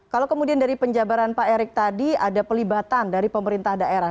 kalau kemudian dari penjabaran pak erick tadi ada pelibatan dari pemerintah daerah